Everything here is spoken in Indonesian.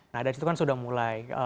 nah dari situ kan sudah mulai